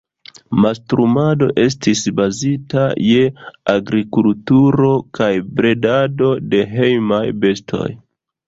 Mastrumado estis bazita je agrikulturo kaj bredado de hejmaj bestoj.